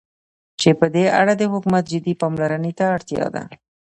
چې په دې اړه د حكومت جدي پاملرنې ته اړتيا ده.